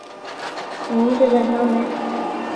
قوم کے ذہنوں میں۔